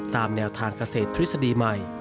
ตามแนวทางเกษตรทฤษฎีใหม่